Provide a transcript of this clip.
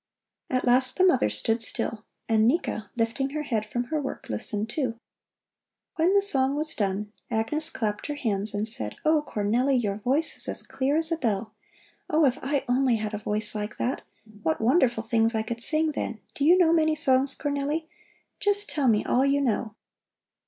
At last the mother stood still, and Nika, lifting her head from her work, listened, too. When the song was done, Agnes clapped her hands and said: "Oh, Cornelli, your voice is as clear as a bell! Oh, if I only had a voice like that! What wonderful things I could sing then! Do you know many songs, Cornelli? Just tell me all you know."